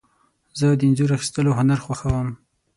زه د انځور اخیستلو هنر خوښوم.